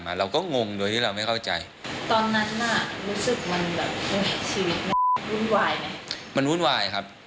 มันวุ่นวายครับ